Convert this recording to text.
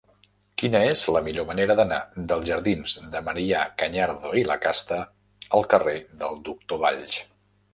Quina és la millor manera d'anar dels jardins de Marià Cañardo i Lacasta al carrer del Doctor Valls?